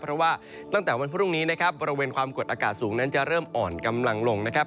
เพราะว่าตั้งแต่วันพรุ่งนี้นะครับบริเวณความกดอากาศสูงนั้นจะเริ่มอ่อนกำลังลงนะครับ